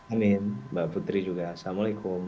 amin mbak putri juga assalamualaikum